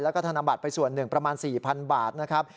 แล้วก็ธนบัตรไปส่วนหนึ่งประมาณ๔๐๐๐บาทนะครับ